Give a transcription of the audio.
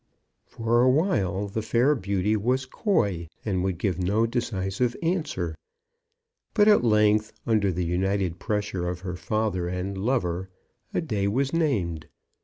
For a while the fair beauty was coy, and would give no decisive answer; but at length under the united pressure of her father and lover, a day was named.